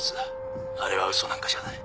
あれは嘘なんかじゃない。